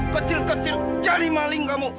kecil kecil cari maling kamu